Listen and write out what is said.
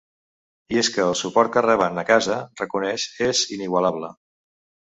I és que el suport que reben ‘a casa’, reconeix, ‘és inigualable’.